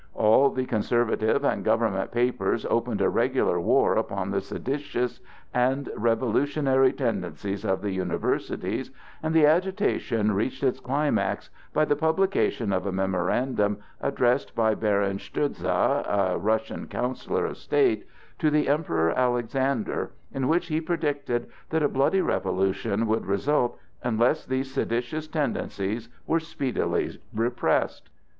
All the conservative and government papers opened a regular war upon the seditious and revolutionary tendencies of the universities, and the agitation reached its climax by the publication of a memorandum addressed by Baron Stourdza, a Russian councillor of state, to the Emperor Alexander, in which he predicted that a bloody revolution would result unless these seditious tendencies were speedily repressed.